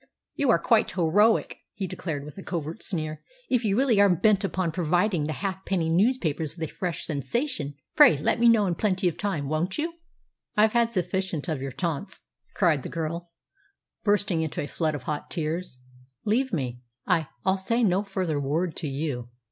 "You are quite heroic," he declared with a covert sneer. "If you really are bent upon providing the halfpenny newspapers with a fresh sensation, pray let me know in plenty of time, won't you?" "I've had sufficient of your taunts," cried the girl, bursting into a flood of hot tears. "Leave me. I I'll say no further word to you."